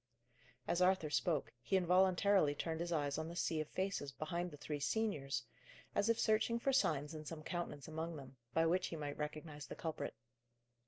As Arthur spoke, he involuntarily turned his eyes on the sea of faces behind the three seniors, as if searching for signs in some countenance among them, by which he might recognize the culprit.